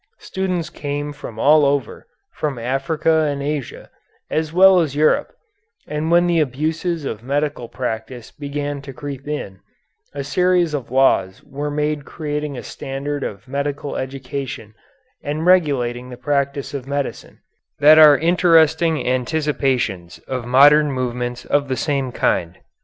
Students came from all over, from Africa and Asia, as well as Europe, and when abuses of medical practice began to creep in, a series of laws were made creating a standard of medical education and regulating the practice of medicine, that are interesting anticipations of modern movements of the same kind.